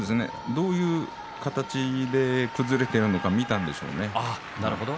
どういう形で崩れているか見たんでしょうね。